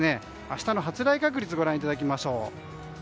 明日の発雷確率をご覧いただきましょう。